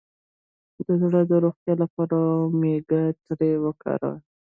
د زړه د روغتیا لپاره اومیګا تري وکاروئ